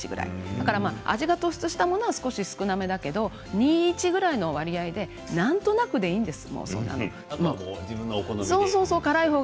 だから味が突出したものは少し少なめだけど２対１ぐらいの割合でなんとなくでいいんです。